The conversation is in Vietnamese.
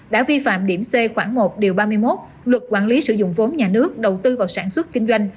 đã vi phạm điểm c khoảng một điều ba mươi một luật quản lý sử dụng vốn nhà nước đầu tư vào sản xuất kinh doanh